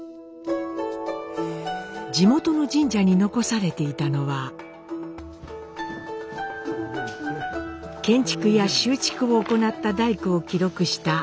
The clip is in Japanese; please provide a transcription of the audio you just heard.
地元の神社に残されていたのは建築や修築を行った大工を記録した棟札。